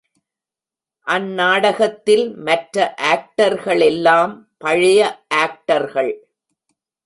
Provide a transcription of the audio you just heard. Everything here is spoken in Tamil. அந்நாடகத்தில் மற்ற ஆக்டர்களெல்லாம் பழைய ஆக்டர்கள்.